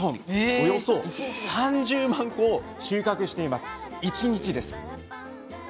およそ３０万個を収穫しています。